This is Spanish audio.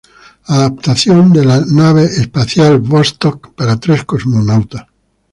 Adaptación de la nave espacial Vostok para tres cosmonautas.